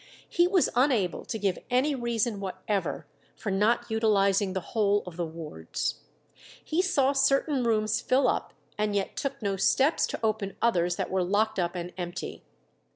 He was unable to give any reason whatever for not utilizing the whole of the wards. He saw certain rooms fill up, and yet took no steps to open others that were locked up and empty.